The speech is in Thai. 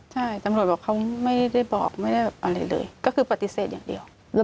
ใช่ตำรวจบอกเขาไม่ได้บอกไม่ได้อะไรเลยก็คือปฏิเสธอย่างเดียว